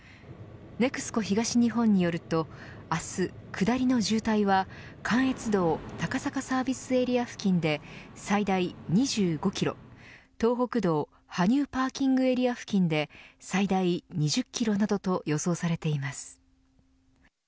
ＮＥＸＣＯ東日本によると明日、下りの渋滞は関越道高坂サービスエリア付近で最大２５キロ東北道羽生パーキングエリア付近で最大２０キロなどと予想されています。